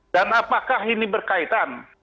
dan apakah ini berkaitan